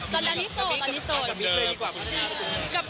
ตอนนี้โสดตอนนี้โสด